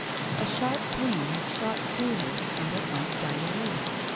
A sharp pain had shot through her and at once died away.